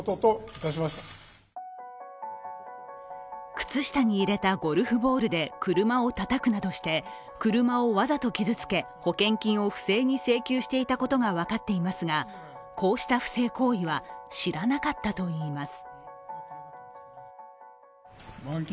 靴下に入れたゴルフボールで車をたたくなどして車をわざと傷つけ、保険金を不正に請求していたことが分かっていますがこうした不正行為は知らなかったといいます。